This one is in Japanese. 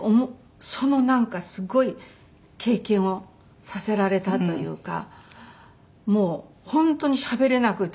そのすごい経験をさせられたというかもう本当にしゃべれなくて。